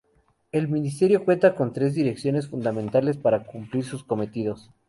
El Ministerio cuenta con tres Direcciones fundamentales para cumplir sus cometidos.